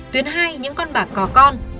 tuyến hai những con bạc có con